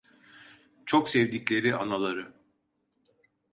Çok sevdikleri anaları…